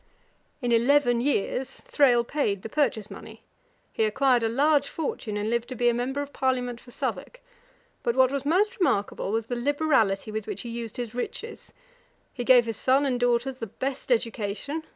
In eleven years Thrale paid the purchase money. He acquired a large fortune, and lived to be Member of Parliament for Southwark. But what was most remarkable was the liberality with which he used his riches. He gave his son and daughters the best education.